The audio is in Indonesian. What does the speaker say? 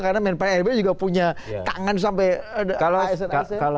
karena men pan rb juga punya tangan sampai asn asn